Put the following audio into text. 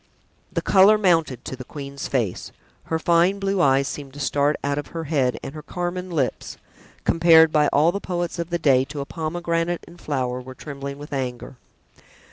The color mounted to the queen's face; her fine blue eyes seemed to start out of her head and her carmine lips, compared by all the poets of the day to a pomegranate in flower, were trembling with anger.